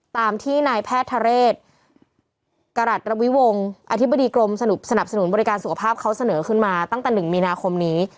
ตามที่นายแพทย์ทะเรศกรัฐระวิวงศ์อธิบดีกรมสนับสนุนบริการสุขภาพเขาเสนอขึ้นมาตั้งแต่๑มีนาคมนี้